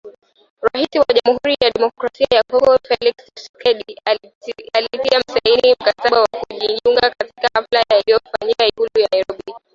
Rais wa Jamhuri ya kidemokrasia ya Kongo Felix Tchisekedi alitia saini mkataba wa kujiunga, katika hafla iliyofanyika Ikulu ya Nairobi.